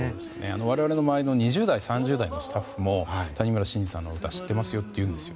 我々の周りの２０代、３０代のスタッフも谷村新司さんの歌を知っていますよと言うんですよ。